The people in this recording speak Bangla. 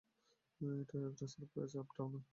একটা সারপ্রাইজ, আপটাউনে।